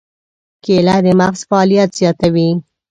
کېله د مغز فعالیت زیاتوي.